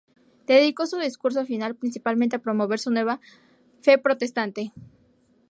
Dedicó su discurso final principalmente a promover su nueva fe protestante.